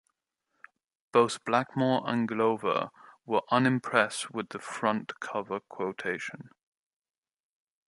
Both Blackmore and Glover were unimpressed with the front cover quotation.